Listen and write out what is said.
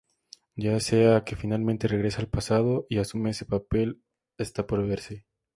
Ya sea que finalmente regresa al pasado y asume ese papel está por verse.